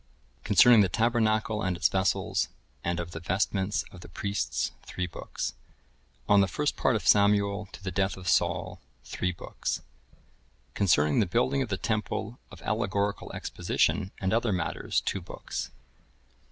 Concerning the Tabernacle and its Vessels, and of the Vestments of the Priests, three books. On the first part of Samuel, to the Death of Saul, three books. Concerning the Building of the Temple, of Allegorical Exposition, and other matters, two books.